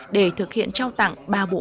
để thực hiện trao tặng ba bộ